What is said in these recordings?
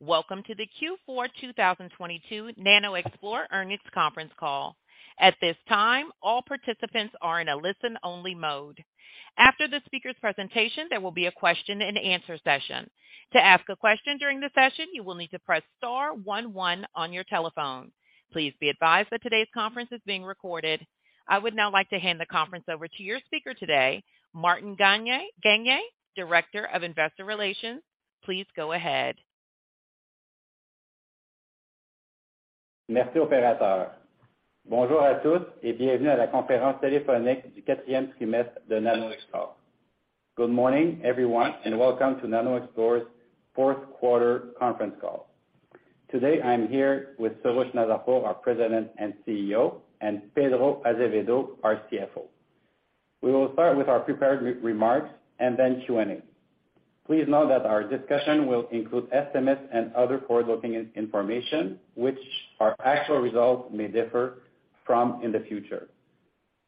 Welcome to the Q4 2022 NanoXplore Earnings Conference Call. At this time, all participants are in a listen-only mode. After the speaker's presentation, there will be a question and answer session. To ask a question during the session, you will need to press star one one on your telephone. Please be advised that today's conference is being recorded. I would now like to hand the conference over to your speaker today, Martin Gagné, Director of Investor Relations. Please go ahead. Merci, opérateur. Bonjour à tous et bienvenue à la conférence téléphonique du quatrième trimestre de NanoXplore. Good morning, everyone, and welcome to NanoXplore's fourth quarter conference call. Today, I'm here with Soroush Nazarpour, our President and CEO, and Pedro Azevedo, our CFO. We will start with our prepared remarks and then Q&A. Please note that our discussion will include estimates and other forward-looking information from which our actual results may differ in the future.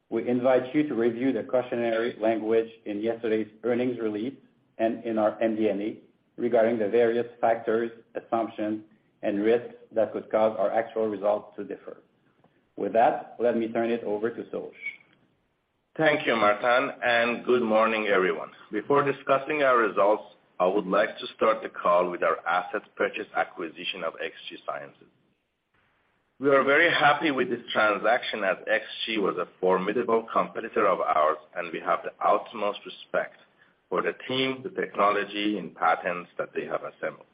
We invite you to review the cautionary language in yesterday's earnings release and in our MD&A regarding the various factors, assumptions, and risks that could cause our actual results to differ. With that, let me turn it over to Soroush. Thank you, Martin Gagné, and good morning, everyone. Before discussing our results, I would like to start the call with our assets purchase acquisition of XG Sciences. We are very happy with this transaction as XG was a formidable competitor of ours, and we have the utmost respect for the team, the technology and patents that they have assembled.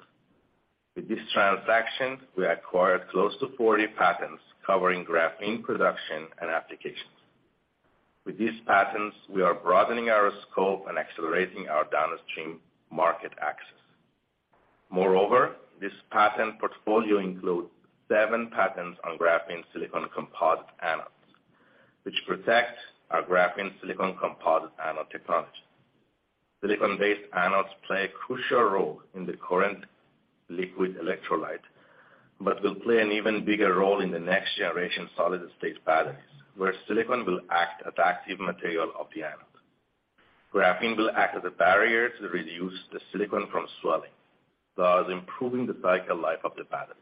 With this transaction, we acquired close to 40 patents covering graphene production and applications. With these patents, we are broadening our scope and accelerating our downstream market access. Moreover, this patent portfolio includes seven patents on silicon-graphene composite anodes, which protects our silicon-graphene composite anode technology. Silicon-based anodes play a crucial role in the current liquid electrolyte, but will play an even bigger role in the next-generation solid-state batteries, where silicon will act as active material of the anode. Graphene will act as a barrier to reduce the silicon from swelling, thus improving the cycle life of the batteries.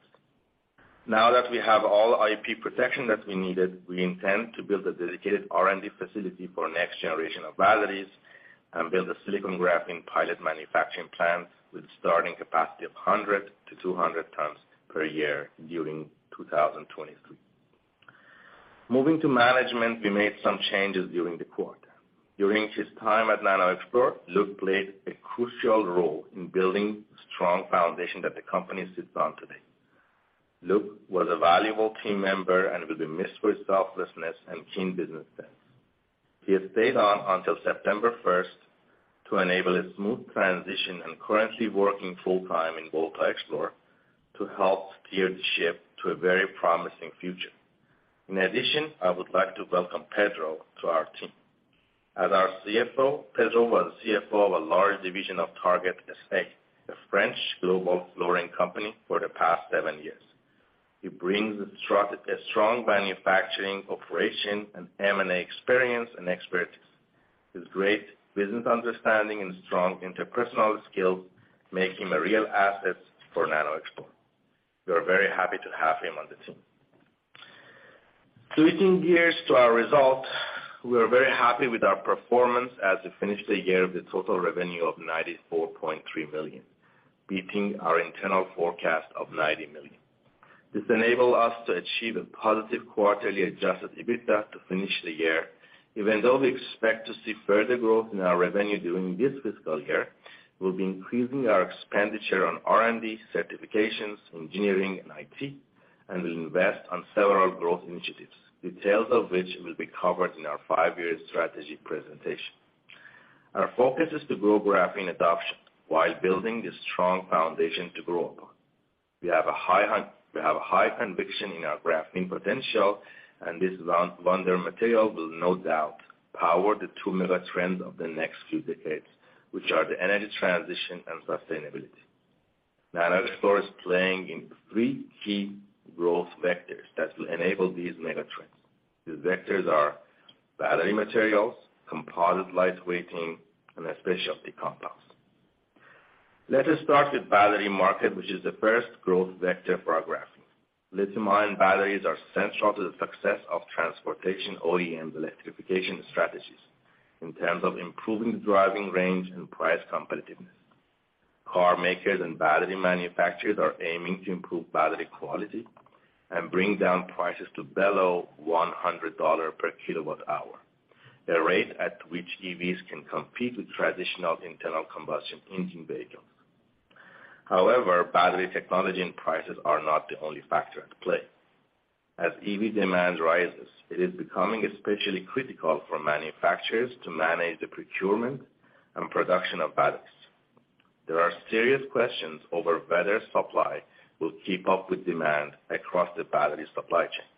Now that we have all IP protection that we needed, we intend to build a dedicated R&D facility for next generation of batteries and build a silicon graphene pilot manufacturing plant with starting capacity of 100-200 tons per year during 2023. Moving to management, we made some changes during the quarter. During his time at NanoXplore, Luke played a crucial role in building strong foundation that the company sits on today. Luke was a valuable team member and will be missed for his selflessness and keen business sense. He has stayed on until September first to enable a smooth transition and currently working full-time in VoltaXplore to help steer the ship to a very promising future. In addition, I would like to welcome Pedro to our team. As our CFO, Pedro was CFO of a large division of Tarkett S.A., the French global flooring company, for the past seven years. He brings a strong manufacturing operation and M&A experience and expertise. His great business understanding and strong interpersonal skills make him a real asset for NanoXplore. We are very happy to have him on the team. Switching gears to our results, we are very happy with our performance as we finished the year with a total revenue of 94.3 million, beating our internal forecast of 90 million. This enabled us to achieve a positive quarterly adjusted EBITDA to finish the year. Even though we expect to see further growth in our revenue during this fiscal year, we'll be increasing our expenditure on R&D, certifications, engineering and IT, and will invest in several growth initiatives, details of which will be covered in our five-year strategy presentation. Our focus is to grow graphene adoption while building a strong foundation to grow upon. We have a high conviction in our graphene potential, and this wonder material will no doubt power the two mega trends of the next few decades, which are the energy transition and sustainability. NanoXplore is playing in three key growth vectors that will enable these mega trends. These vectors are battery materials, composite lightweighting, and specialty compounds. Let us start with battery market, which is the first growth vector for our graphene. Lithium-ion batteries are central to the success of transportation OEM electrification strategies in terms of improving the driving range and price competitiveness. Car makers and battery manufacturers are aiming to improve battery quality and bring down prices to below $100 per kilowatt hour, the rate at which EVs can compete with traditional internal combustion engine vehicles. However, battery technology and prices are not the only factor at play. As EV demand rises, it is becoming especially critical for manufacturers to manage the procurement and production of batteries. There are serious questions over whether supply will keep up with demand across the battery supply chain.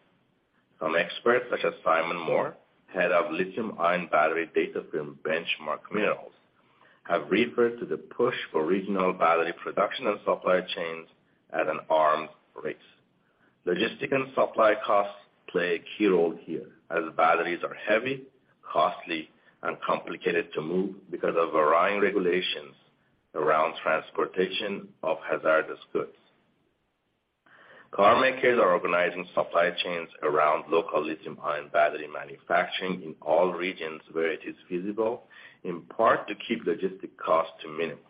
Some experts, such as Simon Moores, head of lithium-ion battery data firm Benchmark Mineral Intelligence, have referred to the push for regional battery production and supply chains as an arms race. Logistics and supply costs play a key role here, as batteries are heavy, costly, and complicated to move because of varying regulations around transportation of hazardous goods. Car makers are organizing supply chains around local lithium-ion battery manufacturing in all regions where it is feasible, in part to keep logistics costs to a minimum.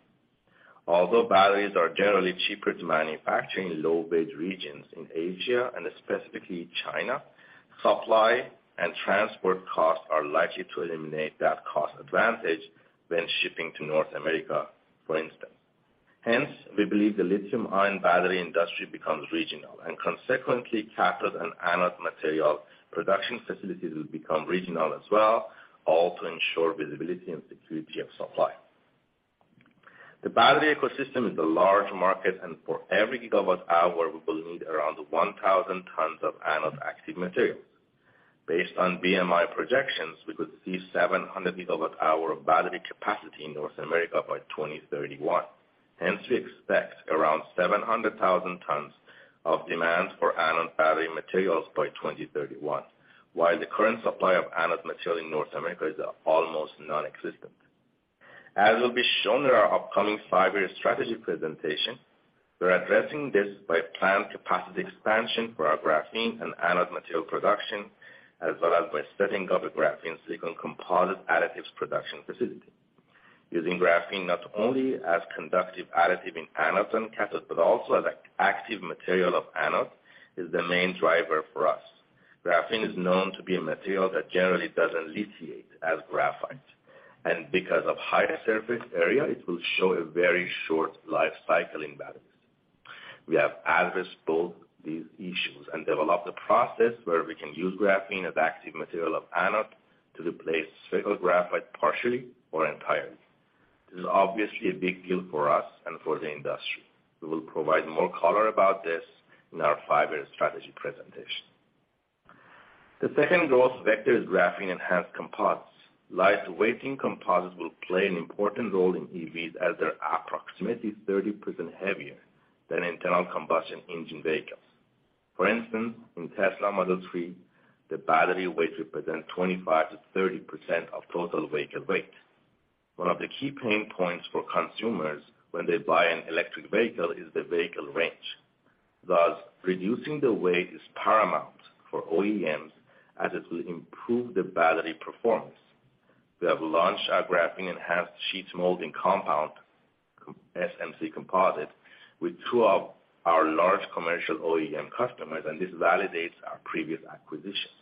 Although batteries are generally cheaper to manufacture in low-wage regions in Asia and specifically China, supply and transport costs are likely to eliminate that cost advantage when shipping to North America, for instance. Hence, we believe the lithium-ion battery industry becomes regional, and consequently, cathode and anode material production facilities will become regional as well, all to ensure visibility and security of supply. The battery ecosystem is a large market, and for every GWh, we will need around 1,000 tons of anode active materials. Based on BMI projections, we could see 700 GWh of battery capacity in North America by 2031. Hence, we expect around 700,000 tons of demand for anode battery materials by 2031, while the current supply of anode material in North America is almost nonexistent. As will be shown in our upcoming five year strategy presentation, we're addressing this by planned capacity expansion for our graphene and anode material production, as well as by setting up a graphene silicon composite additives production facility. Using graphene not only as conductive additive in anodes and cathodes but also as an active material of anode is the main driver for us. Graphene is known to be a material that generally doesn't lithiate as graphite, and because of higher surface area, it will show a very short life cycle in batteries. We have addressed both these issues and developed a process where we can use graphene as active material of anode to replace graphite partially or entirely. This is obviously a big deal for us and for the industry. We will provide more color about this in our five-year strategy presentation. The second growth vector is graphene-enhanced composites. Light-weighting composites will play an important role in EVs as they're approximately 30% heavier than internal combustion engine vehicles. For instance, in Tesla Model 3, the battery weight represents 25%-30% of total vehicle weight. One of the key pain points for consumers when they buy an electric vehicle is the vehicle range. Thus, reducing the weight is paramount for OEMs as it will improve the battery performance. We have launched our graphene-enhanced sheet molding compound, SMC composite, with two of our large commercial OEM customers, and this validates our previous acquisitions.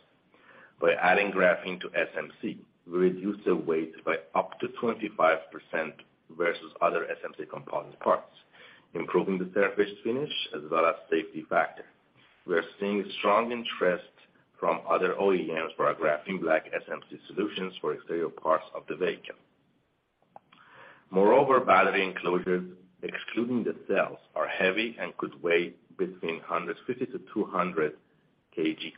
By adding graphene to SMC, we reduce the weight by up to 25% versus other SMC component parts, improving the surface finish as well as safety factor. We are seeing strong interest from other OEMs for our GrapheneBlack SMC solutions for exterior parts of the vehicle. Moreover, battery enclosures, excluding the cells, are heavy and could weigh between 150-200 kg.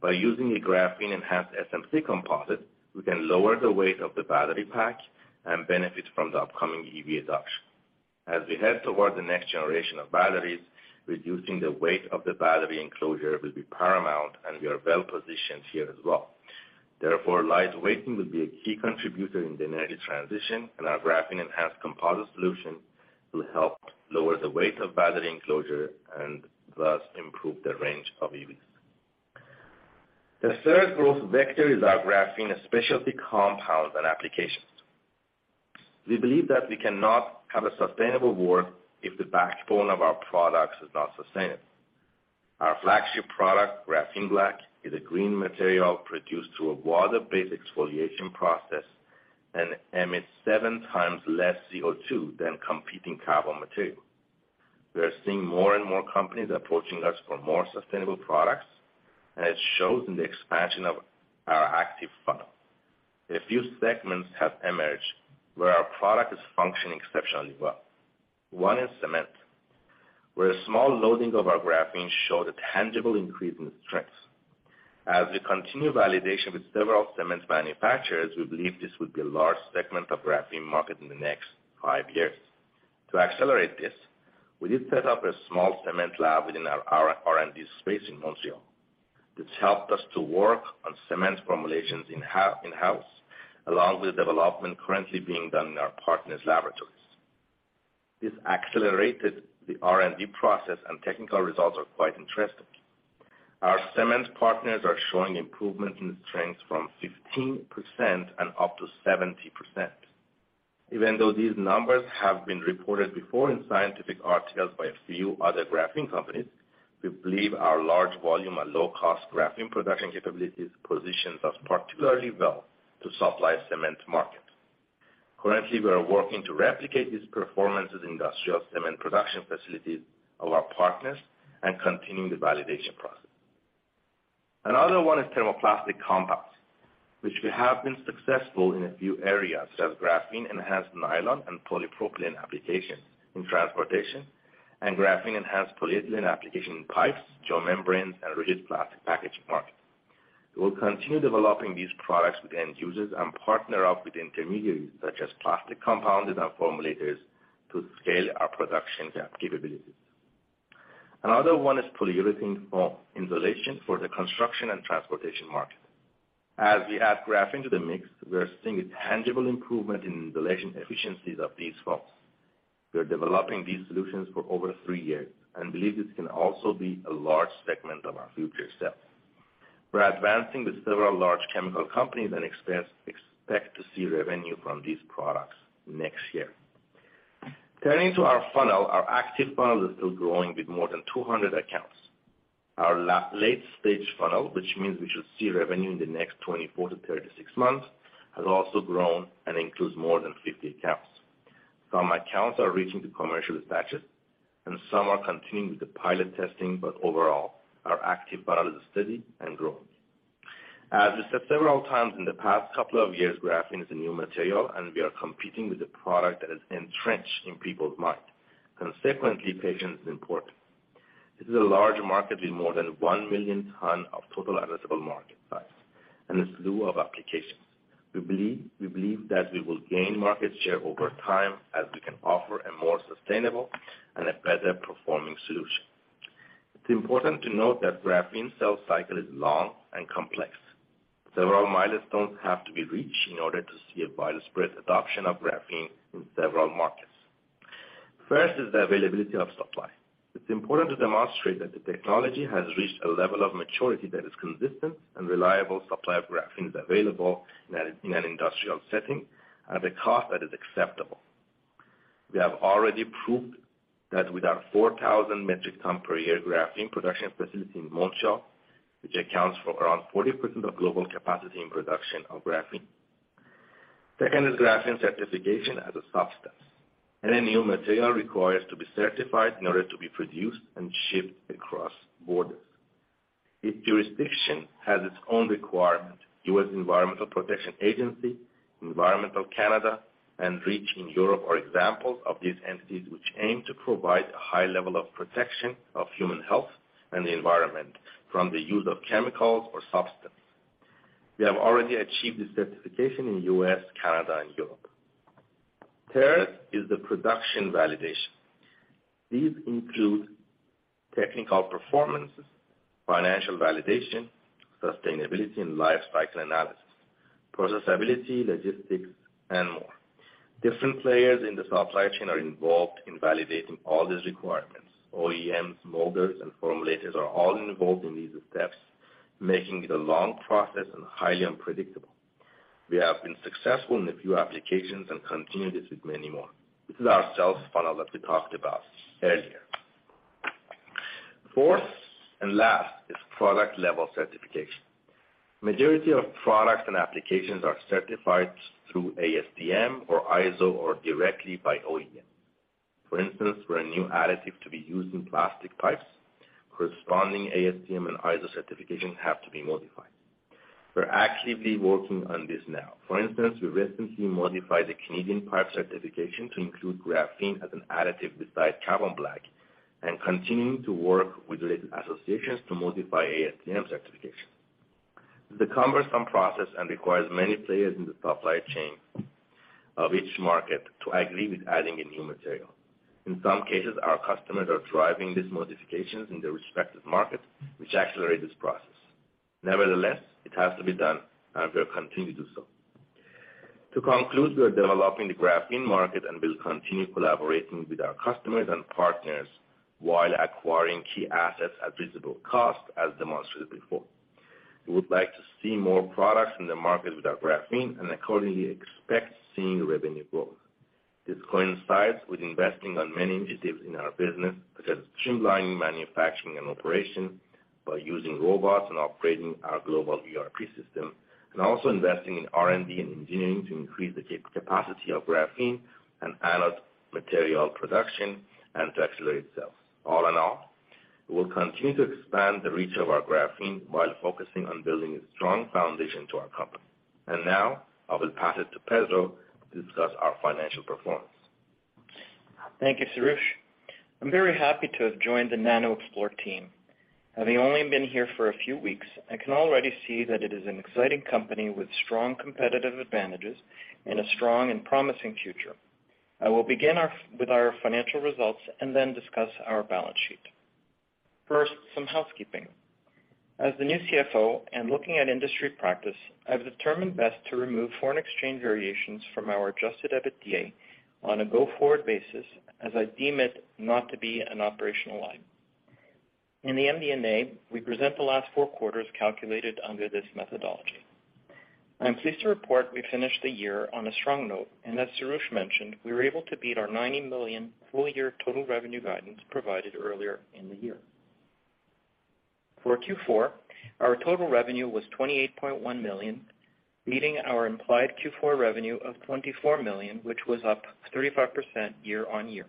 By using a graphene-enhanced SMC composite, we can lower the weight of the battery pack and benefit from the upcoming EV adoption. As we head towards the next generation of batteries, reducing the weight of the battery enclosure will be paramount, and we are well-positioned here as well. Therefore, light-weighting will be a key contributor in the energy transition, and our graphene-enhanced composite solution will help lower the weight of battery enclosure and thus improve the range of EVs. The third growth vector is our graphene specialty compounds and applications. We believe that we cannot have a sustainable world if the backbone of our products is not sustainable. Our flagship product, GrapheneBlack, is a green material produced through a water-based exfoliation process and emits seven times less CO2 than competing carbon material. We are seeing more and more companies approaching us for more sustainable products, and it shows in the expansion of our active funnel. A few segments have emerged where our product is functioning exceptionally well. One is cement, where a small loading of our graphene showed a tangible increase in the strength. As we continue validation with several cement manufacturers, we believe this will be a large segment of graphene market in the next five years. To accelerate this, we did set up a small cement lab within our R&D space in Montreal, which helped us to work on cement formulations in-house, along with development currently being done in our partners' laboratories. This accelerated the R&D process and technical results are quite interesting. Our cement partners are showing improvement in strength from 15%-70%. Even though these numbers have been reported before in scientific articles by a few other graphene companies, we believe our large volume and low cost graphene production capabilities positions us particularly well to supply cement market. Currently, we are working to replicate these performances in industrial cement production facilities of our partners and continuing the validation process. Another one is thermoplastic compounds, which we have been successful in a few areas, such as graphene-enhanced nylon and polypropylene applications in transportation and graphene-enhanced polyethylene application in pipes, geomembranes, and rigid plastic packaging market. We'll continue developing these products with end users and partner up with intermediaries such as plastic compounders and formulators to scale our production capabilities. Another one is polyurethane foam insulation for the construction and transportation market. As we add graphene to the mix, we are seeing a tangible improvement in insulation efficiencies of these foams. We are developing these solutions for over three years and believe this can also be a large segment of our future sales. We're advancing with several large chemical companies and expect to see revenue from these products next year. Turning to our funnel. Our active funnel is still growing with more than 200 accounts. Our late stage funnel, which means we should see revenue in the next 24-36 months, has also grown and includes more than 50 accounts. Some accounts are reaching to commercial dispatches, and some are continuing with the pilot testing, but overall, our active funnel is steady and growing. As I said several times in the past couple of years, graphene is a new material, and we are competing with a product that is entrenched in people's minds. Consequently, patience is important. This is a large market with more than 1 million tons of total addressable market size and a slew of applications. We believe that we will gain market share over time as we can offer a more sustainable and a better performing solution. It's important to note that graphene sales cycle is long and complex. Several milestones have to be reached in order to see a widespread adoption of graphene in several markets. First is the availability of supply. It's important to demonstrate that the technology has reached a level of maturity that a consistent and reliable supply of graphene is available in an industrial setting at a cost that is acceptable. We have already proved that with our 4,000 metric ton per year graphene production facility in Montreal, which accounts for around 40% of global capacity and production of graphene. Second is graphene certification as a substance. Any new material requires to be certified in order to be produced and shipped across borders. Each jurisdiction has its own requirement. U.S. Environmental Protection Agency, Environment Canada, and REACH in Europe are examples of these entities which aim to provide a high level of protection of human health and the environment from the use of chemicals or substances. We have already achieved this certification in U.S., Canada, and Europe. Third is the production validation. These include technical performances, financial validation, sustainability, and life cycle analysis, processability, logistics, and more. Different players in the supply chain are involved in validating all these requirements. OEMs, molders, and formulators are all involved in these steps, making it a long process and highly unpredictable. We have been successful in a few applications and continue this with many more. This is our sales funnel that we talked about earlier. Fourth and last is product-level certification. Majority of products and applications are certified through ASTM or ISO or directly by OEM. For instance, for a new additive to be used in plastic pipes, corresponding ASTM and ISO certifications have to be modified. We're actively working on this now. For instance, we recently modified the Canadian pipe certification to include graphene as an additive beside carbon black and continuing to work with related associations to modify ASTM certification. It's a cumbersome process and requires many players in the supply chain of each market to agree with adding a new material. In some cases, our customers are driving these modifications in their respective market, which accelerate this process. Nevertheless, it has to be done and we'll continue to do so. To conclude, we are developing the graphene market and will continue collaborating with our customers and partners while acquiring key assets at reasonable cost as demonstrated before. We would like to see more products in the market with our graphene and accordingly expect seeing revenue growth. This coincides with investing on many initiatives in our business, such as streamlining manufacturing and operation by using robots and upgrading our global ERP system and also investing in R&D and engineering to increase the capacity of graphene and added material production and to accelerate sales. All in all, we will continue to expand the reach of our graphene while focusing on building a strong foundation to our company. Now I will pass it to Pedro to discuss our financial performance. Thank you, Soroush. I'm very happy to have joined the NanoXplore team. Having only been here for a few weeks, I can already see that it is an exciting company with strong competitive advantages and a strong and promising future. I will begin with our financial results and then discuss our balance sheet. First, some housekeeping. As the new CFO and looking at industry practice, I've determined best to remove foreign exchange variations from our adjusted EBITDA on a go-forward basis, as I deem it not to be an operational item. In the MD&A, we present the last four quarters calculated under this methodology. I'm pleased to report we finished the year on a strong note, and as Soroush mentioned, we were able to beat our 90 million full-year total revenue guidance provided earlier in the year. For Q4, our total revenue was 28.1 million, beating our implied Q4 revenue of 24 million, which was up 35% year-on-year.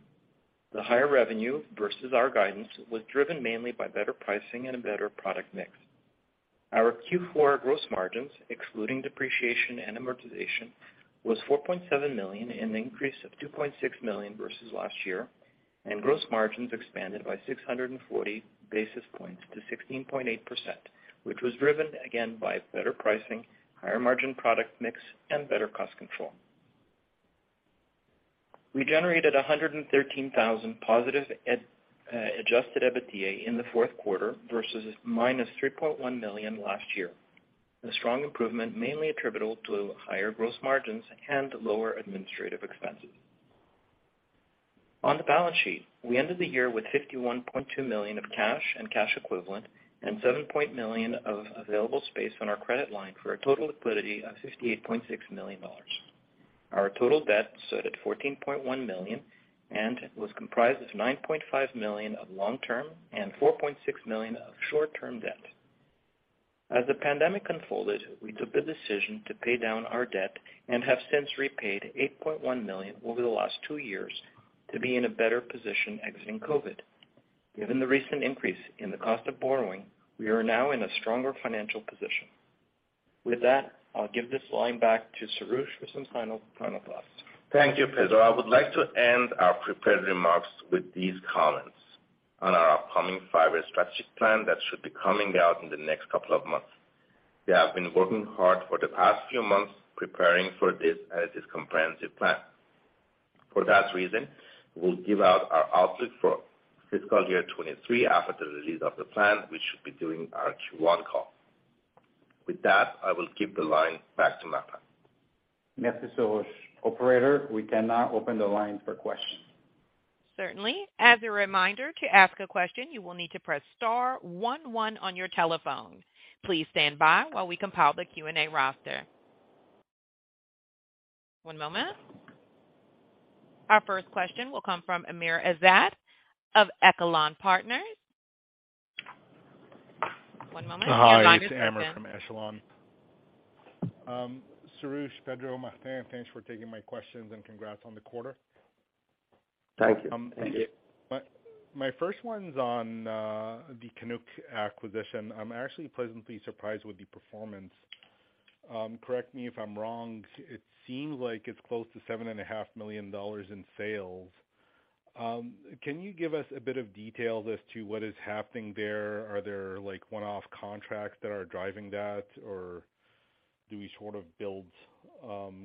The higher revenue versus our guidance was driven mainly by better pricing and a better product mix. Our Q4 gross margins, excluding depreciation and amortization, was 4.7 million, an increase of 2.6 million versus last year. Gross margins expanded by 640 basis points to 16.8%, which was driven again by better pricing, higher margin product mix, and better cost control. We generated 113,000 positive adjusted EBITDA in the fourth quarter versus -3.1 million last year. The strong improvement mainly attributable to higher gross margins and lower administrative expenses. On the balance sheet, we ended the year with 51.2 million of cash and cash equivalents and 7.4 million of available space on our credit line for a total liquidity of 58.6 million dollars. Our total debt stood at 14.1 million and was comprised of 9.5 million of long-term and 4.6 million of short-term debt. As the pandemic unfolded, we took the decision to pay down our debt and have since repaid 8.1 million over the last two years to be in a better position exiting COVID. Given the recent increase in the cost of borrowing, we are now in a stronger financial position. With that, I'll give this line back to Soroush for some final thoughts. Thank you, Pedro. I would like to end our prepared remarks with these comments on our upcoming five-year strategic plan that should be coming out in the next couple of months. We have been working hard for the past few months preparing for this comprehensive plan. For that reason, we'll give out our outlook for fiscal year 2023 after the release of the plan. We should be doing our Q1 call. With that, I will give the line back to Martin Gagné. Merci, Soroush. Operator, we can now open the line for questions. Certainly. As a reminder, to ask a question, you will need to press star one one on your telephone. Please stand by while we compile the Q&A roster. One moment. Our first question will come from Amr Ezzat of Echelon Wealth Partners. One moment. Line is open. Hi, it's Amr from Echelon. Soroush, Pedro, Martin Gagné, thanks for taking my questions, and congrats on the quarter. Thank you. Thank you. My first one is on the Canuck acquisition. I'm actually pleasantly surprised with the performance. Correct me if I'm wrong, it seems like it's close to 7.5 million dollars in sales. Can you give us a bit of detail as to what is happening there? Are there, like, one-off contracts that are driving that, or do we sort of build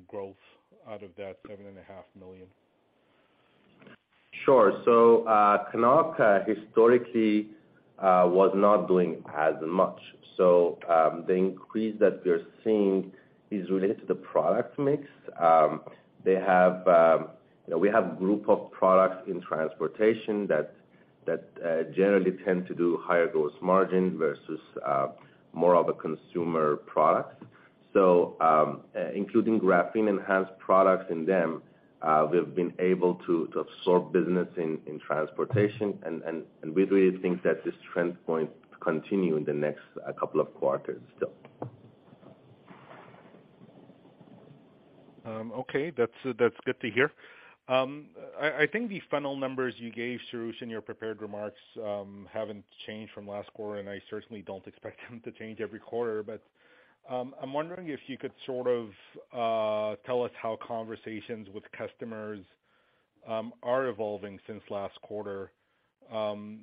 growth out of that 7.5 million? Sure. Canuck historically was not doing as much. The increase that we're seeing is related to the product mix. They have, you know, we have a group of products in transportation that generally tend to do higher gross margin versus more of a consumer product. Including graphene-enhanced products in them, we've been able to absorb business in transportation and we really think that this trend is going to continue in the next couple of quarters still. Okay. That's good to hear. I think the funnel numbers you gave, Soroush, in your prepared remarks, haven't changed from last quarter, and I certainly don't expect them to change every quarter. I'm wondering if you could sort of tell us how conversations with customers are evolving since last quarter. Do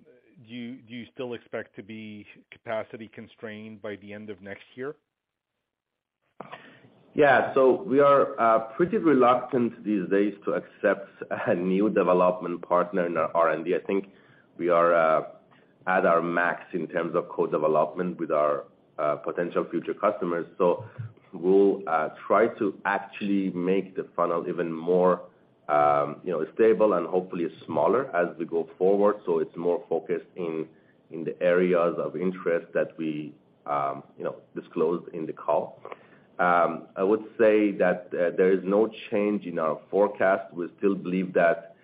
you still expect to be capacity constrained by the end of next year? Yeah. We are pretty reluctant these days to accept a new development partner in our R&D. I think we are at our max in terms of co-development with our potential future customers. We'll try to actually make the funnel even more you know stable and hopefully smaller as we go forward, so it's more focused in the areas of interest that we you know disclosed in the call. I would say that there is no change in our forecast. We still believe that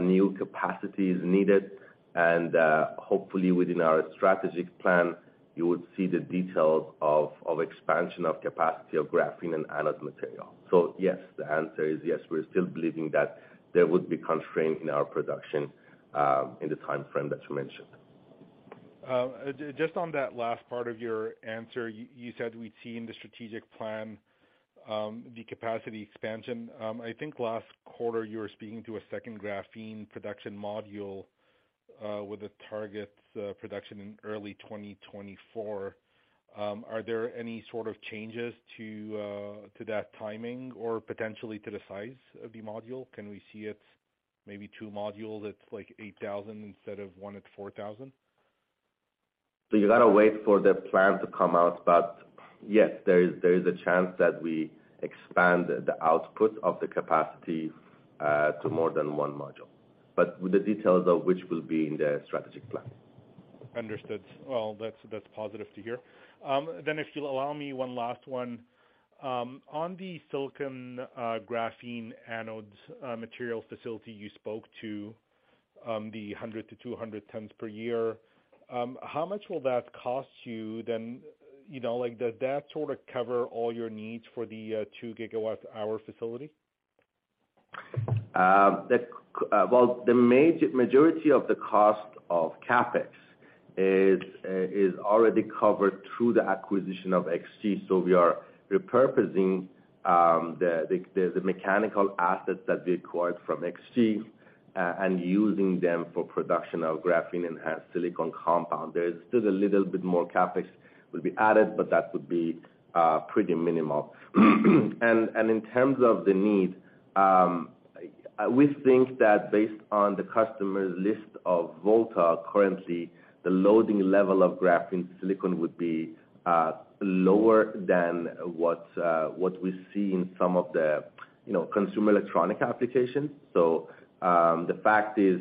new capacity is needed, and hopefully within our strategic plan, you would see the details of expansion of capacity of graphene and anode material. Yes, the answer is yes, we're still believing that there would be constraint in our production in the timeframe that you mentioned. Just on that last part of your answer, you said we'd see in the strategic plan the capacity expansion. I think last quarter you were speaking to a second graphene production module with a target production in early 2024. Are there any sort of changes to that timing or potentially to the size of the module? Can we see it maybe two modules that's like 8,000 instead of one at 4,000? You gotta wait for the plan to come out, but yes, there is a chance that we expand the output of the capacity to more than one module, but with the details of which will be in the strategic plan. Understood. Well, that's positive to hear. If you'll allow me one last one. On the silicon-graphene anodes materials facility you spoke to, the 100-200 tons per year, how much will that cost you then? You know, like, does that sort of cover all your needs for the two gigawatt-hour facility? Well, the majority of the cost of CapEx is already covered through the acquisition of XG. We are repurposing the mechanical assets that we acquired from XG and using them for production of graphene and silicon compound. There's still a little bit more CapEx will be added, but that would be pretty minimal. In terms of the need, we think that based on the customer list of VoltaXplore currently, the loading level of graphene-silicon would be lower than what we see in some of the consumer electronic applications. The fact is,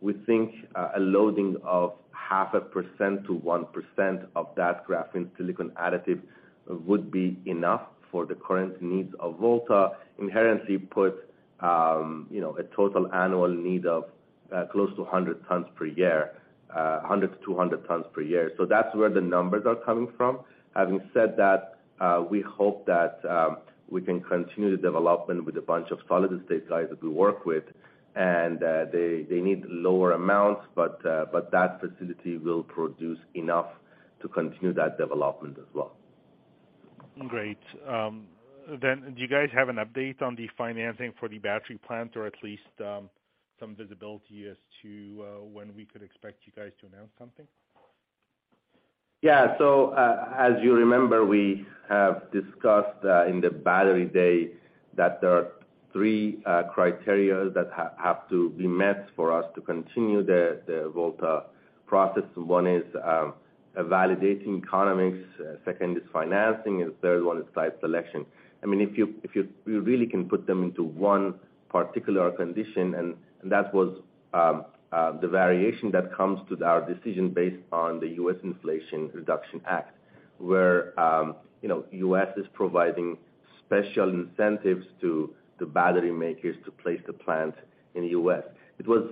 we think a loading of 0.5%-1% of that graphene-silicon additive would be enough for the current needs of VoltaXplore. Inherent in that, you know, a total annual need of close to 100 tons per year, 100-200 tons per year. That's where the numbers are coming from. Having said that, we hope that we can continue the development with a bunch of solid-state guys that we work with, and they need lower amounts, but that facility will produce enough to continue that development as well. Great. Do you guys have an update on the financing for the battery plant or at least some visibility as to when we could expect you guys to announce something? Yeah. As you remember, we have discussed in the battery day that there are three criterias that have to be met for us to continue the VoltaXplore process. One is validating economics, second is financing, and third one is site selection. I mean, if you really can put them into one particular condition, and that was the variation that comes to our decision based on the U.S. Inflation Reduction Act, where you know, U.S. is providing special incentives to the battery makers to place the plant in the U.S. It was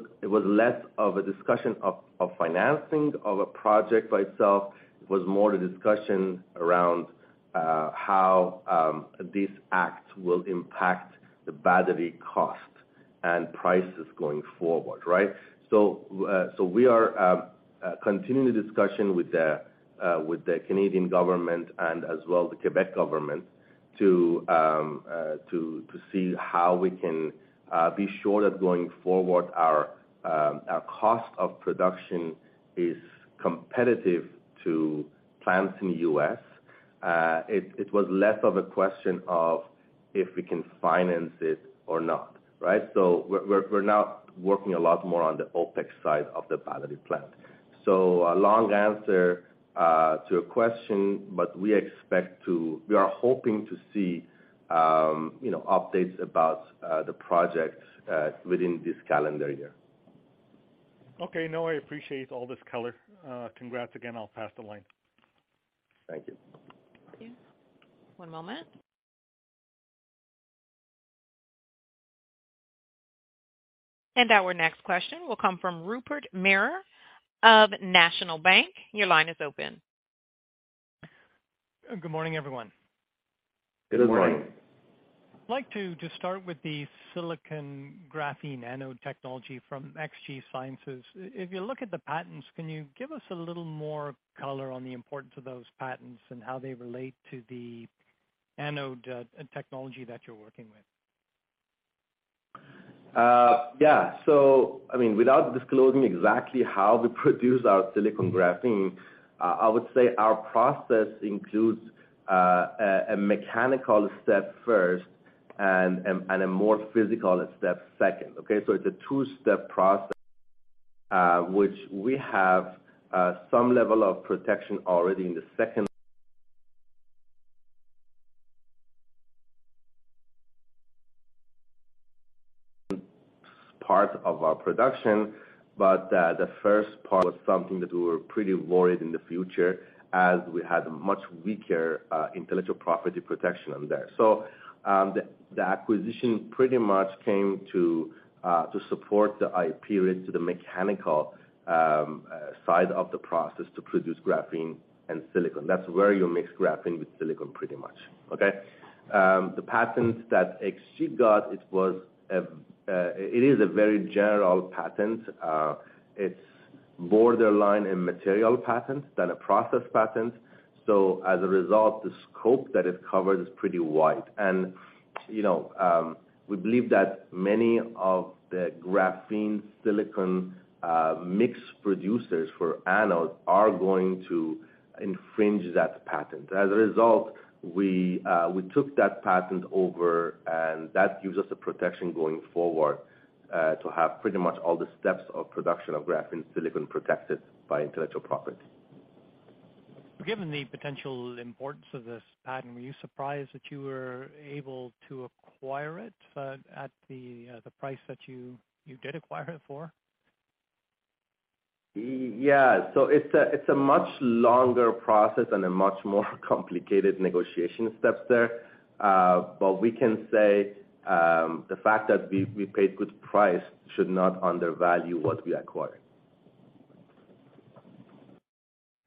less of a discussion of financing of a project by itself. It was more the discussion around how this act will impact the battery cost and prices going forward, right? We are continuing the discussion with the Canadian government and as well the Quebec government to see how we can be sure that going forward our cost of production is competitive to plants in the U.S. It was less of a question of if we can finance it or not, right? We're now working a lot more on the OpEx side of the battery plant. A long answer to a question, but we expect to. We are hoping to see, you know, updates about the project within this calendar year. Okay. No, I appreciate all this color. Congrats again. I'll pass the line. Thank you. Thank you. One moment. Our next question will come from Rupert Merer of National Bank Financial. Your line is open. Good morning, everyone. Good morning. Good morning. I'd like to start with the silicon graphene anode technology from XG Sciences. If you look at the patents, can you give us a little more color on the importance of those patents and how they relate to the anode technology that you're working with? I mean, without disclosing exactly how we produce our silicon-graphene, I would say our process includes a mechanical step first and a more physical step second, okay? It's a two-step process, which we have some level of protection already in the second part of our production, but the first part was something that we were pretty worried in the future as we had much weaker intellectual property protection on there. The acquisition pretty much came to support the IP related to the mechanical side of the process to produce graphene and silicon. That's where you mix graphene with silicon pretty much, okay? The patents that XG got, it is a very general patent. It's borderline a material patent than a process patent. As a result, the scope that it covers is pretty wide. You know, we believe that many of the graphene silicon mix producers for anodes are going to infringe that patent. As a result, we took that patent over, and that gives us a protection going forward to have pretty much all the steps of production of graphene silicon protected by intellectual property. Given the potential importance of this patent, were you surprised that you were able to acquire it, at the price that you did acquire it for? Yeah. It's a much longer process and a much more complicated negotiation steps there. We can say the fact that we paid good price should not undervalue what we acquired.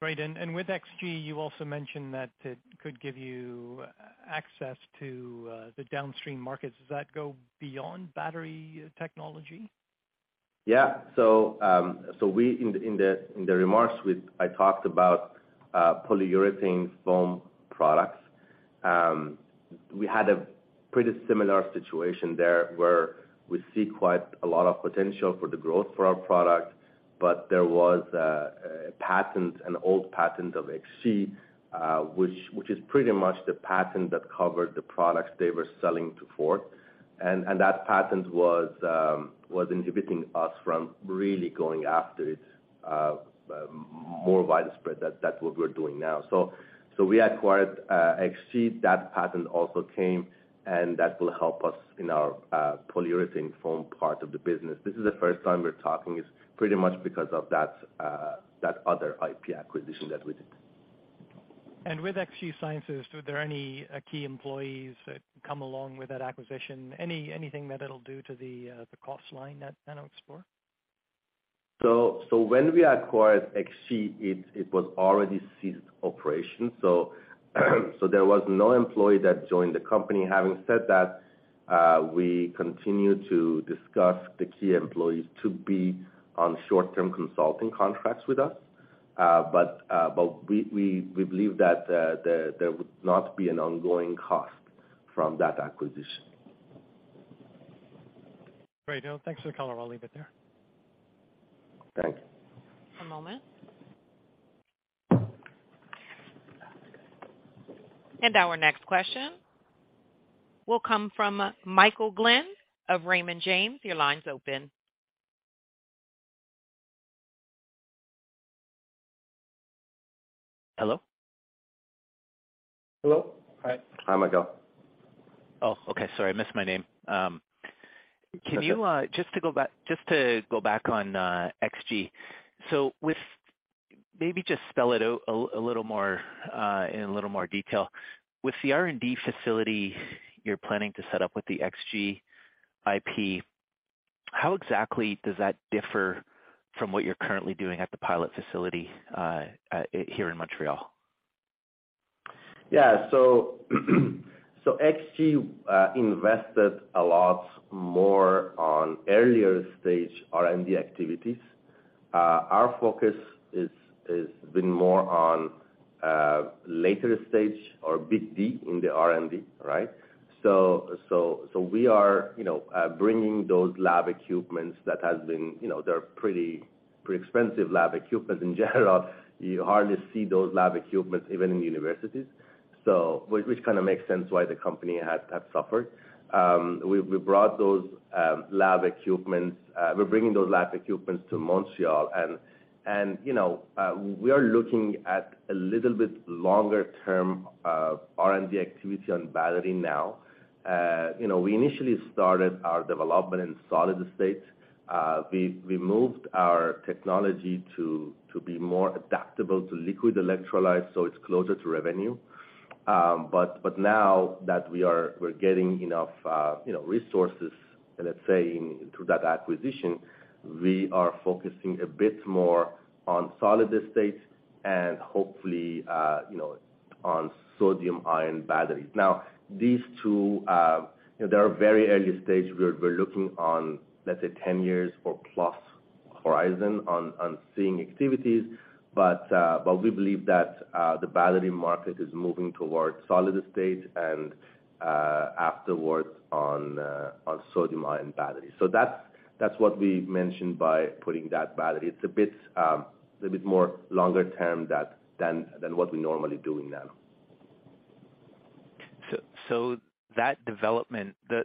Great. With XG, you also mentioned that it could give you access to the downstream markets. Does that go beyond battery technology? In the remarks, I talked about polyurethane foam products. We had a pretty similar situation there where we see quite a lot of potential for the growth for our product, but there was a patent, an old patent of XG, which is pretty much the patent that covered the products they were selling to Ford. That patent was inhibiting us from really going after it more widespread. That's what we're doing now. We acquired XG. That patent also came, and that will help us in our polyurethane foam part of the business. This is the first time we're talking. It's pretty much because of that other IP acquisition that we did. With XG Sciences, were there any key employees that come along with that acquisition? Anything that it'll do to the cost line at NanoXplore? When we acquired XG, it was already ceased operations. There was no employee that joined the company. Having said that, we continue to discuss the key employees to be on short-term consulting contracts with us. We believe that there would not be an ongoing cost from that acquisition. Great. Oh, thanks for the color. I'll leave it there. Thanks. One moment. Our next question will come from Michael Glen of Raymond James. Your line's open. Hello? Hello. Hi. Hi, Michael. Oh, okay. Sorry, I missed my name. Can you just to go back on XG. Maybe just spell it out a little more in a little more detail. With the R&D facility you're planning to set up with the XG IP, how exactly does that differ from what you're currently doing at the pilot facility here in Montreal? Yeah. XG invested a lot more on earlier stage R&D activities. Our focus has been more on later stage or bit deep in the R&D, right? We are, you know, bringing those lab equipment that has been, you know, they're pretty expensive lab equipment. In general, you hardly see those lab equipment even in universities. Which kinda makes sense why the company has suffered. We brought those lab equipment, we're bringing those lab equipment to Montreal and we are looking at a little bit longer term R&D activity on battery now. We initially started our development in solid-state. We moved our technology to be more adaptable to liquid electrolytes, so it's closer to revenue. Now that we're getting enough, you know, resources, let's say through that acquisition, we are focusing a bit more on solid-state and hopefully, you know, on sodium-ion batteries. Now, these two, you know, they are very early stage. We're looking on, let's say, 10 years or plus horizon on seeing activities. We believe that the battery market is moving towards solid-state and afterwards on sodium-ion batteries. That's what we mentioned by putting that battery. It's a bit more longer term than what we're normally doing now. That development, the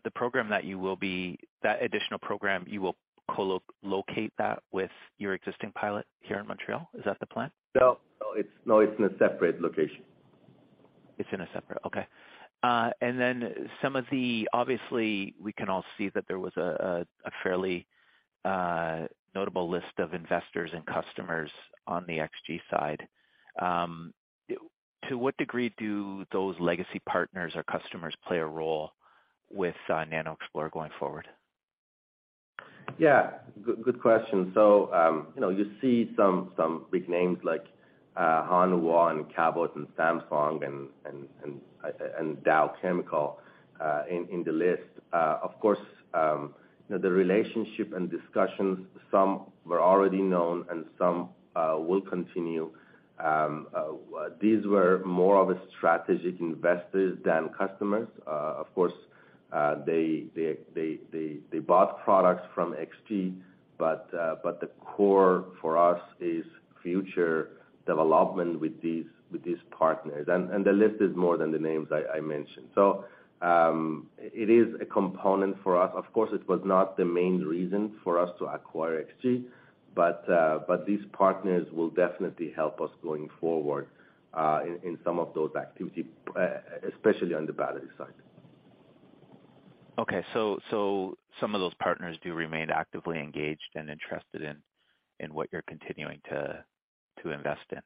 additional program you will co-locate that with your existing pilot here in Montreal, is that the plan? No, it's in a separate location. It's in a separate, okay. Obviously, we can all see that there was a fairly notable list of investors and customers on the XG side. To what degree do those legacy partners or customers play a role with NanoXplore going forward? Yeah. Good question. You know, you see some big names like Hanwha and Cabot and Samsung and Dow Chemical in the list. Of course, you know, the relationship and discussions, some were already known and some will continue. These were more of a strategic investors than customers. Of course, they bought products from XG, but the core for us is future development with these partners. The list is more than the names I mentioned. It is a component for us. Of course, it was not the main reason for us to acquire XG, but these partners will definitely help us going forward in some of those activities, especially on the battery side. Okay. Some of those partners do remain actively engaged and interested in what you're continuing to invest in?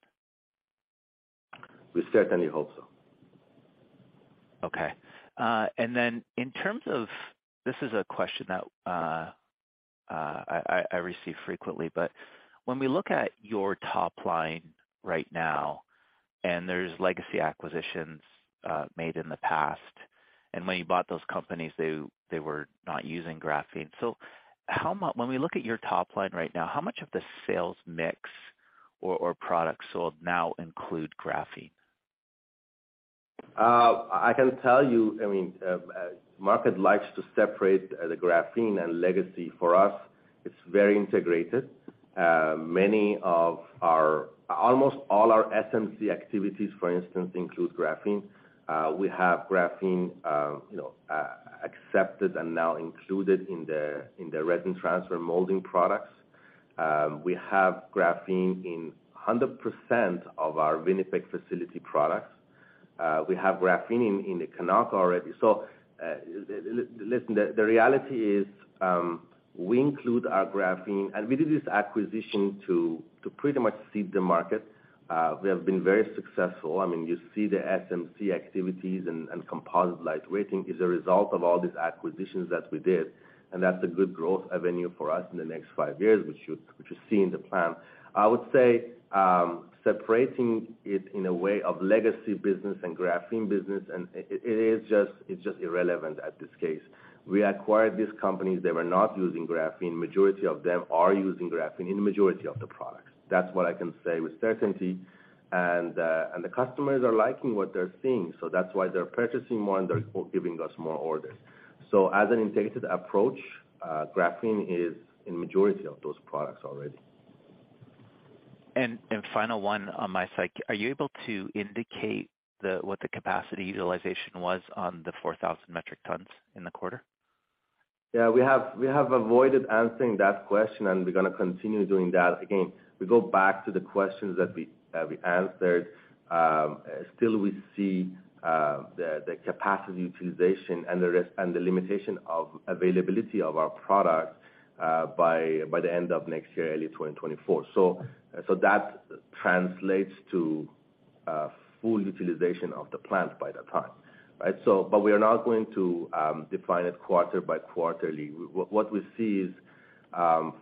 We certainly hope so. Okay. This is a question that I receive frequently, but when we look at your top line right now, and there's legacy acquisitions made in the past, and when you bought those companies, they were not using graphene. So when we look at your top line right now, how much of the sales mix or products sold now include graphene? I can tell you, I mean, market likes to separate the graphene and legacy. For us, it's very integrated. Almost all our SMC activities, for instance, include graphene. We have graphene, you know, accepted and now included in the resin transfer molding products. We have graphene in 100% of our Winnipeg facility products. We have graphene in the Canuck already. Listen, the reality is, we include our graphene, and we did this acquisition to pretty much seed the market. We have been very successful. I mean, you see the SMC activities and composite lightweighting is a result of all these acquisitions that we did, and that's a good growth avenue for us in the next five years, which you see in the plan. I would say separating it in a way of legacy business and graphene business and it is just irrelevant in this case. We acquired these companies. They were not using graphene. Majority of them are using graphene in the majority of the products. That's what I can say with certainty. The customers are liking what they're seeing, so that's why they're purchasing more and they're giving us more orders. As an integrated approach, graphene is in majority of those products already. Final one on my side. Are you able to indicate what the capacity utilization was on the 4,000 metric tons in the quarter? Yeah, we have avoided answering that question, and we're gonna continue doing that. Again, we go back to the questions that we answered. Still we see the capacity utilization and the limitation of availability of our product by the end of next year, early 2024. That translates to full utilization of the plant by that time, right? But we are not going to define it quarter by quarter. What we see is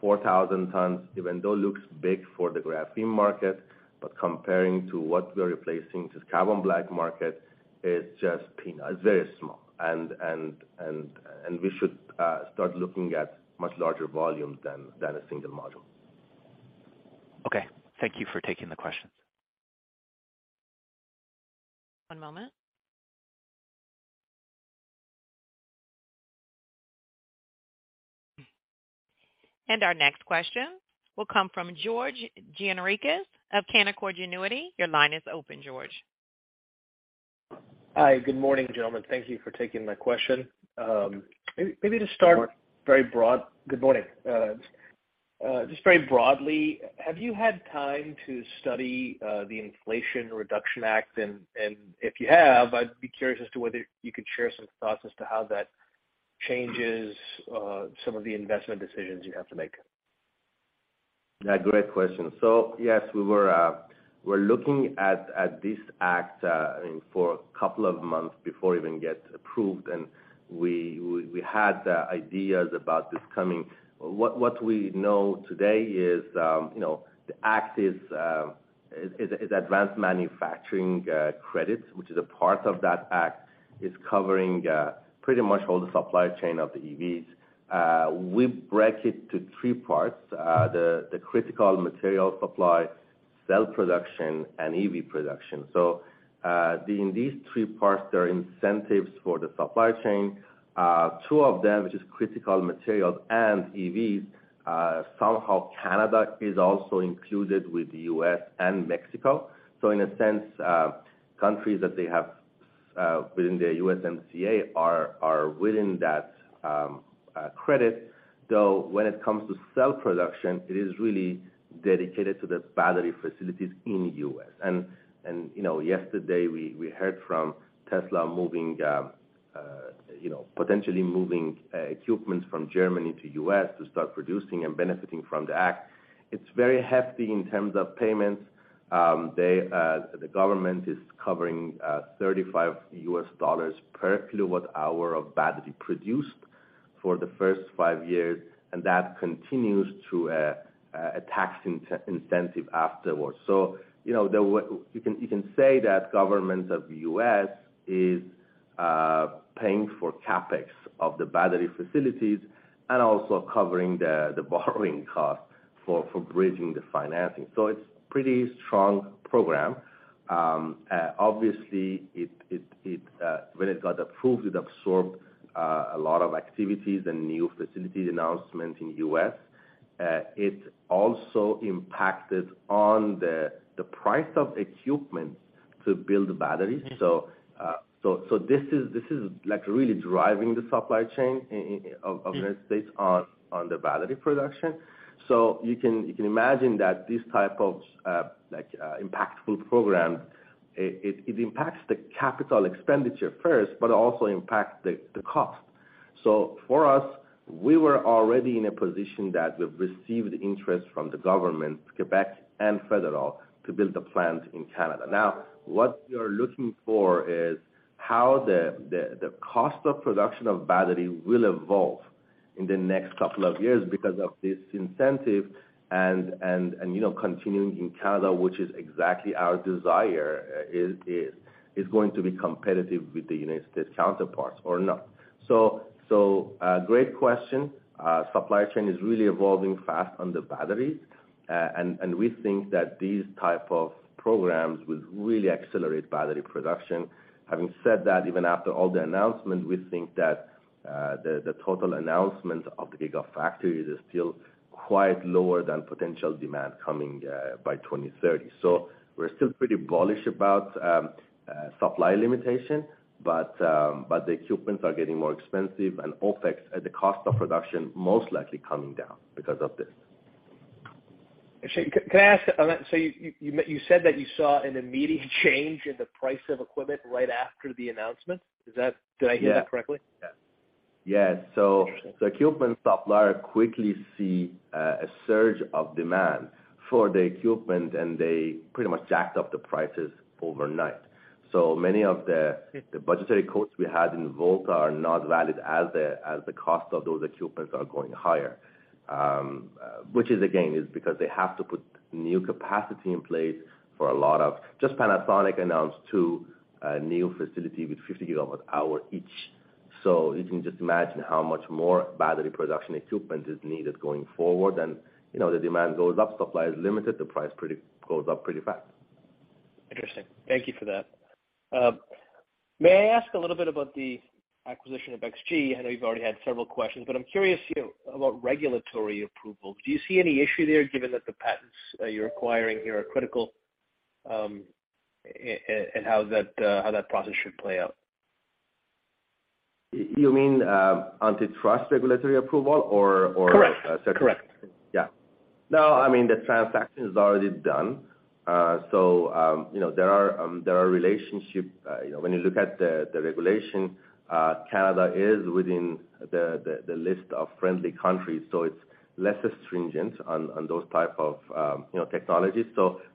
4,000 tons, even though looks big for the graphene market, but comparing to what we're replacing, this carbon black market is just peanut, very small. We should start looking at much larger volume than a single module. Okay, thank you for taking the questions. One moment. Our next question will come from George Gianarikis of Canaccord Genuity. Your line is open, George. Hi, good morning, gentlemen. Thank you for taking my question. Maybe just start very broad. Good morning. Just very broadly, have you had time to study the Inflation Reduction Act? If you have, I'd be curious as to whether you could share some thoughts as to how that changes some of the investment decisions you have to make. Yeah, great question. Yes, we were looking at this act, I mean, for a couple of months before it even get approved, and we had ideas about this coming. What we know today is, you know, the act is advanced manufacturing credits, which is a part of that act, is covering pretty much all the supply chain of the EVs. We break it to three parts, the critical material supply, cell production and EV production. In these three parts, there are incentives for the supply chain. Two of them, which is critical materials and EVs, somehow Canada is also included with the U.S. and Mexico. In a sense, countries that they have within the USMCA are within that credit, though when it comes to cell production, it is really dedicated to the battery facilities in U.S. You know, yesterday we heard from Tesla moving potentially moving equipment from Germany to U.S. to start producing and benefiting from the act. It's very hefty in terms of payments. The government is covering $35 per kilowatt hour of battery produced for the first five years, and that continues through a tax incentive afterwards. You know, you can say that government of the U.S. is paying for CapEx of the battery facilities and also covering the borrowing costs for bridging the financing. It's a pretty strong program. Obviously, when it got approved, it absorbed a lot of activities and new facilities announcements in U.S. It also impacted on the price of equipment to build the batteries. This is like really driving the supply chain of United States on the battery production. You can imagine that this type of like impactful program, it impacts the capital expenditure first, but also impact the cost. For us, we were already in a position that we've received interest from the government, Quebec and federal, to build the plant in Canada. Now, what we are looking for is how the cost of production of battery will evolve in the next couple of years because of this incentive and, you know, continuing in Canada, which is exactly our desire, is going to be competitive with the United States counterparts or not. Great question. Supply chain is really evolving fast on the batteries. We think that these type of programs would really accelerate battery production. Having said that, even after all the announcements, we think that the total announcement of the Gigafactory is still quite lower than potential demand coming by 2030. We're still pretty bullish about supply limitation, but the equipments are getting more expensive and OpEx, the cost of production most likely coming down because of this. Soroush Nazarpour, you said that you saw an immediate change in the price of equipment right after the announcement. Is that? Did I hear that correctly? Yeah. Yeah. Yeah. Interesting. The equipment supplier quickly see a surge of demand for the equipment, and they pretty much jacked up the prices overnight. Many of the budgetary quotes we had in VoltaXplore are not valid as the cost of those equipments are going higher. Which is again because they have to put new capacity in place for a lot of just Panasonic announced 2 new facility with 50 gigawatt hour each. You can just imagine how much more battery production equipment is needed going forward. You know, the demand goes up, supply is limited, the price goes up pretty fast. Interesting. Thank you for that. May I ask a little bit about the acquisition of XG? I know you've already had several questions, but I'm curious, you know, about regulatory approval. Do you see any issue there given that the patents you're acquiring here are critical, and how that process should play out? You mean, antitrust regulatory approval or Correct. Correct. Yeah. No, I mean, the transaction is already done. So, you know, there are relationships, you know, when you look at the regulation, Canada is within the list of friendly countries, so it's less stringent on those types of, you know, technologies.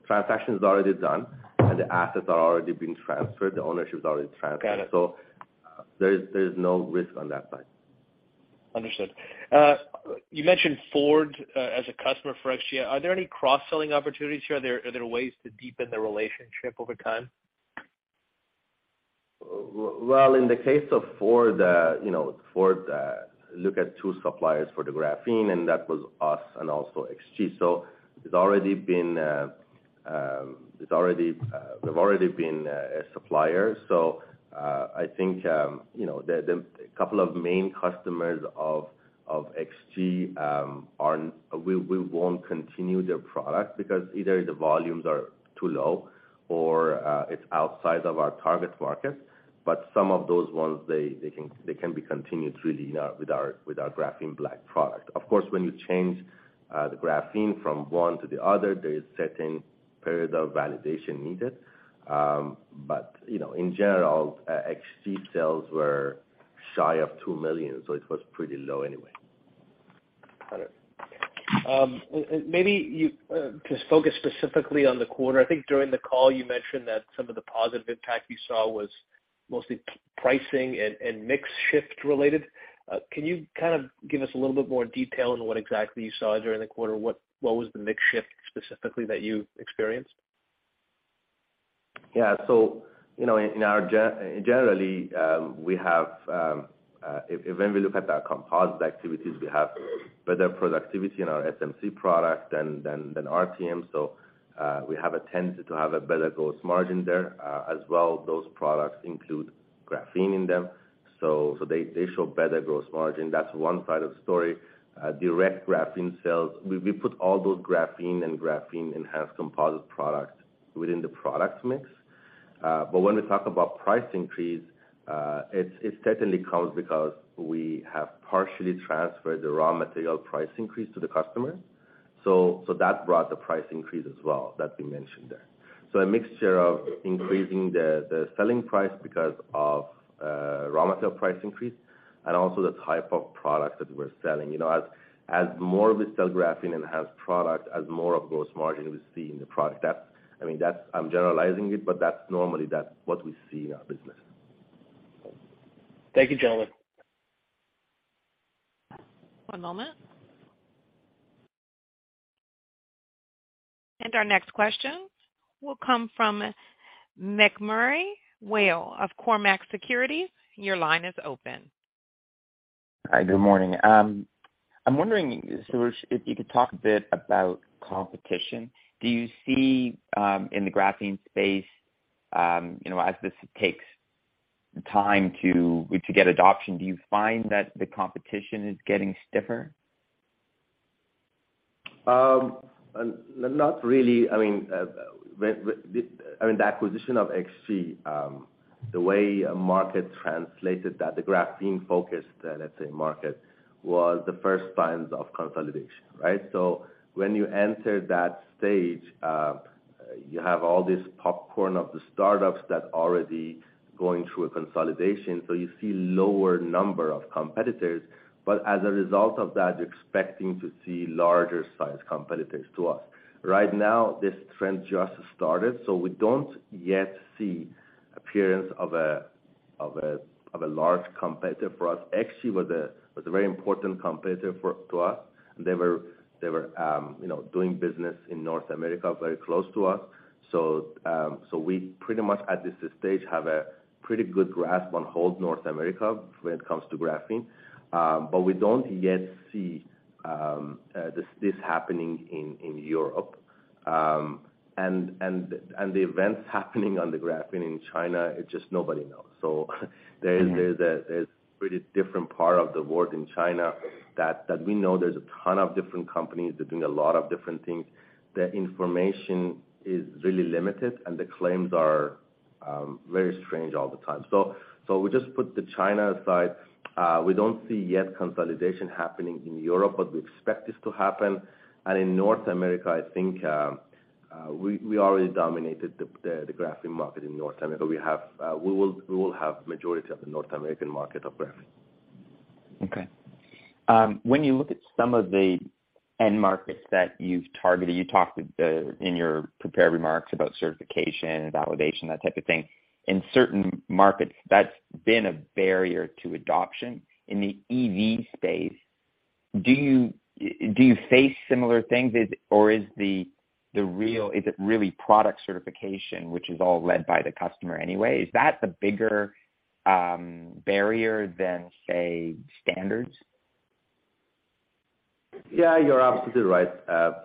Transaction is already done, and the assets are already being transferred. The ownership is already transferred. Got it. There is no risk on that side. Understood. You mentioned Ford as a customer for XG. Are there any cross-selling opportunities here? Are there ways to deepen the relationship over time? Well, in the case of Ford, you know, Ford look at two suppliers for the graphene, and that was us and also XG. It's already been, we've already been a supplier. I think you know, the couple of main customers of XG, we won't continue their product because either the volumes are too low or it's outside of our target market. Some of those ones, they can be continued really with our GrapheneBlack product. Of course, when you change the graphene from one to the other, there is certain period of validation needed. You know, in general, XG sales were shy of 2 million, so it was pretty low anyway. Got it. Maybe you just focus specifically on the quarter. I think during the call, you mentioned that some of the positive impact you saw was mostly pricing and mix shift related. Can you kind of give us a little bit more detail on what exactly you saw during the quarter? What was the mix shift specifically that you experienced? Yeah. You know, in our generally, we have when we look at our composite activities, we have better productivity in our SMC product than RTM. We have a tendency to have a better gross margin there. As well, those products include graphene in them. They show better gross margin. That's one side of the story. Direct graphene sales, we put all those graphene and graphene-enhanced composite products within the products mix. When we talk about price increase, it certainly comes because we have partially transferred the raw material price increase to the customer. That brought the price increase as well that we mentioned there. A mixture of increasing the selling price because of raw material price increase and also the type of products that we're selling. You know, as more we sell graphene-enhanced product, as more of gross margin we see in the product. That. I mean, that's. I'm generalizing it, but that's normally what we see in our business. Thank you, gentlemen. One moment. Our next question will come from MacMurray Whale of Cormark Securities. Your line is open. Hi, good morning. I'm wondering, Soroush, if you could talk a bit about competition. Do you see in the graphene space, you know, as this takes time to get adoption, do you find that the competition is getting stiffer? Not really. I mean, when I mean, the acquisition of XG, the way the market translated that, the graphene focus, let's say the market, was the first signs of consolidation, right? When you enter that stage, you have all this popcorn of the startups that already going through a consolidation, so you see lower number of competitors. As a result of that, you're expecting to see larger sized competitors to us. Right now, this trend just started, so we don't yet see appearance of a large competitor for us. Actually, it was a very important competitor to us. They were, you know, doing business in North America, very close to us. We pretty much at this stage have a pretty good grasp on the whole North America when it comes to graphene. We don't yet see this happening in Europe. The events happening on the graphene in China, it's just nobody knows. Yeah. There's a pretty different part of the world in China that we know there's a ton of different companies. They're doing a lot of different things. The information is really limited, and the claims are very strange all the time. So we just put China aside. We don't see yet consolidation happening in Europe, but we expect this to happen. In North America, I think we already dominate the graphene market in North America. We will have majority of the North American market of graphene. Okay. When you look at some of the end markets that you've targeted, you talked, in your prepared remarks about certification and validation, that type of thing. In certain markets, that's been a barrier to adoption. In the EV space, do you face similar things? Is it really product certification which is all led by the customer anyway? Is that the bigger barrier than, say, standards? Yeah, you're absolutely right.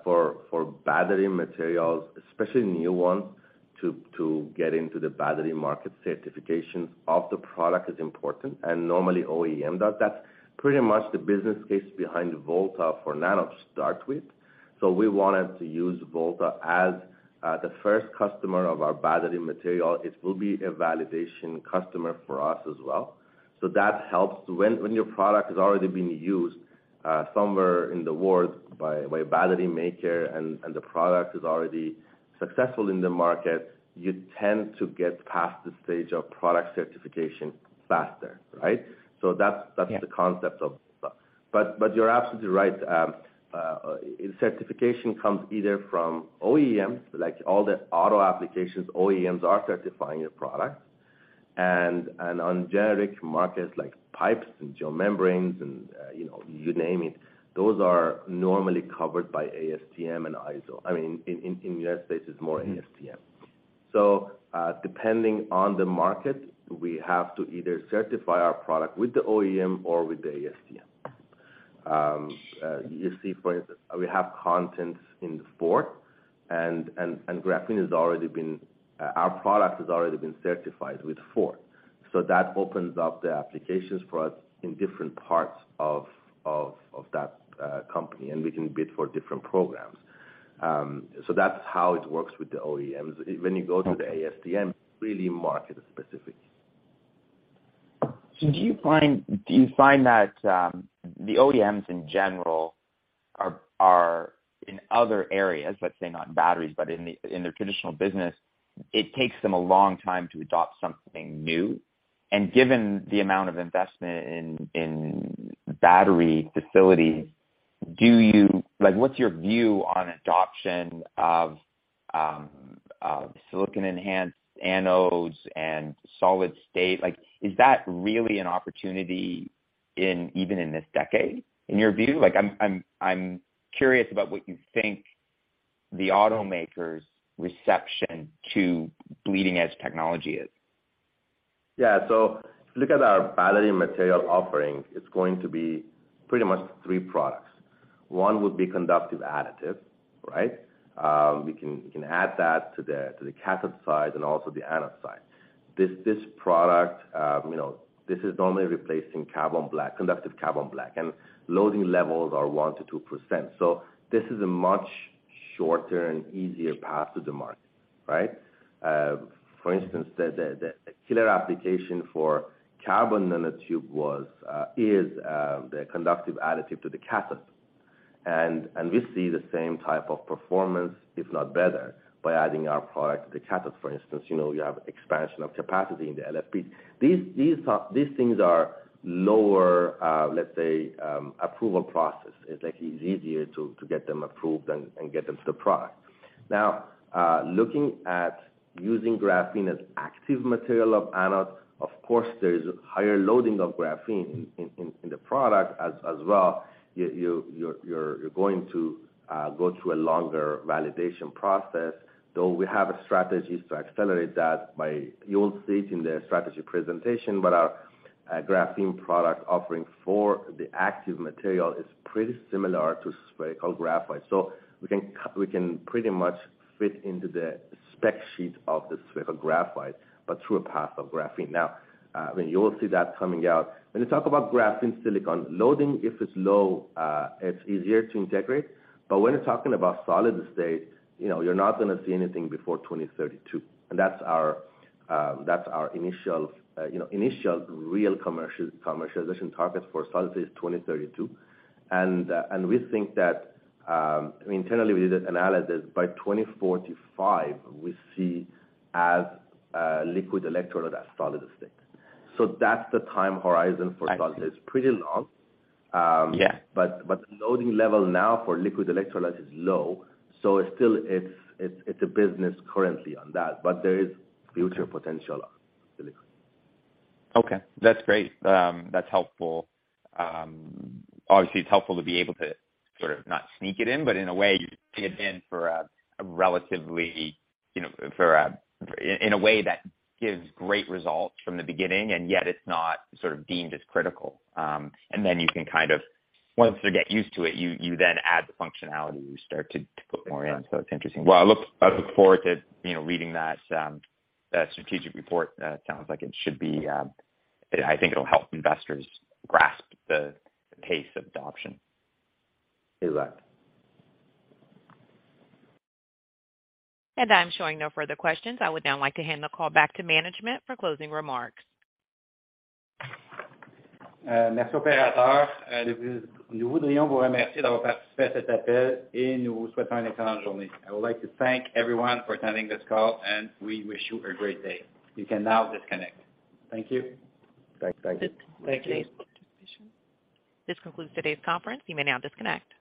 For battery materials, especially new ones, to get into the battery market, certification of the product is important, and normally OEM does that. Pretty much the business case behind starting with VoltaXplore. We wanted to use VoltaXplore as the first customer of our battery material. It will be a validation customer for us as well. That helps. When your product has already been used somewhere in the world by a battery maker and the product is already successful in the market, you tend to get past the stage of product certification faster, right? That's Yeah. That's the concept of that. You're absolutely right. Certification comes either from OEM, like all the auto applications, OEMs are certifying your product. On generic markets like pipes and geomembranes and, you know, you name it, those are normally covered by ASTM and ISO. I mean, in United States it's more ASTM. Mm-hmm. Depending on the market, we have to either certify our product with the OEM or with the ASTM. You see, we have content in Ford, and our product has already been certified with Ford. That opens up the applications for us in different parts of that company, and we can bid for different programs. That's how it works with the OEMs. When you go to the ASTM, really market-specific. Do you find that the OEMs in general are in other areas, let's say not in batteries, but in their traditional business, it takes them a long time to adopt something new. Given the amount of investment in battery facilities, like, what's your view on adoption of silicon enhanced anodes and solid state? Like, is that really an opportunity even in this decade, in your view? Like, I'm curious about what you think the automakers' reception to bleeding edge technology is. Yeah. If you look at our battery material offering, it's going to be pretty much three products. One would be conductive additive, right? We can add that to the cathode side and also the anode side. This product, you know, this is normally replacing carbon black, conductive carbon black, and loading levels are 1%-2%. This is a much shorter and easier path to the market, right? For instance, the killer application for carbon nanotube is the conductive additive to the cathode. And we see the same type of performance, if not better, by adding our product to the cathode, for instance. You know, you have expansion of capacity in the LFP. These things are lower, let's say, approval process. It's like it's easier to get them approved and get them to the product. Now, looking at using graphene as active material of anode, of course, there is higher loading of graphene in the product as well. You're going to go through a longer validation process, though we have strategies to accelerate that by. You'll see it in the strategy presentation, but our graphene product offering for the active material is pretty similar to spherical graphite. So we can pretty much fit into the spec sheet of the spherical graphite but through a path of graphene. Now, when you will see that coming out, when you talk about graphene silicon loading, if it's low, it's easier to integrate. When you're talking about solid state, you know, you're not gonna see anything before 2032. That's our initial real commercial commercialization target for solid state is 2032. We think that, I mean, internally, we did analysis, by 2045, we see as liquid electrolyte as solid state. That's the time horizon for solid state. I see. It's pretty long. Yeah. The loading level now for liquid electrolyte is low, so it's still a business currently on that, but there is future potential on solid state. Okay. That's great. That's helpful. Obviously, it's helpful to be able to sort of not sneak it in, but in a way, you sneak it in in a way that gives great results from the beginning, and yet it's not sort of deemed as critical. You can kind of, once they get used to it, you then add the functionality. You start to put more in. It's interesting. Well, I look forward to, you know, reading that that strategic report. It sounds like it should be. I think it'll help investors grasp the pace of adoption. You bet. I'm showing no further questions. I would now like to hand the call back to management for closing remarks. Uh, Merci. I would like to thank everyone for attending this call, and we wish you a great day. You can now disconnect. Thank you. Thank you. Thank you. This concludes today's conference. You may now disconnect.